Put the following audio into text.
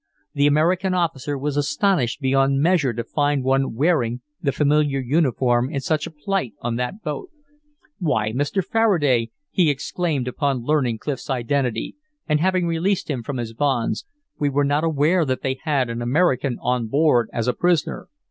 The American officer was astonished beyond measure to find one wearing the familiar uniform in such a plight on that boat. "Why, Mr. Faraday," he exclaimed upon learning Clif's identity, and having released him from his bonds, "we were not aware that they had an American on board as a prisoner."